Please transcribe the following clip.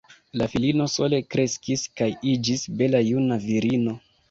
La filino sole kreskis kaj iĝis bela juna virino.